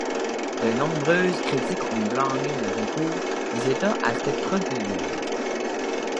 De nombreuses critiques ont blâmé le recours des état à cette procédure.